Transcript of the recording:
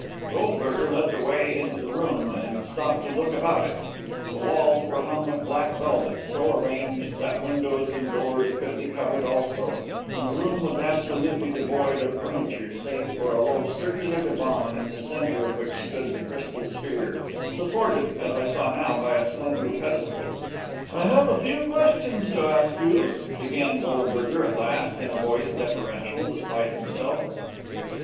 Goldberger led the way into the room and stopped to look about it. The walls were hung with black velvet, so arranged that windows and doors could be covered also, and the room was absolutely devoid of furniture, save for a low, circular divan in the centre of which stood the crystal sphere, supported, as I saw now, by a slender pedestal. "I have a few questions to ask you," began Goldberger at last, in a voice deferential despite himself.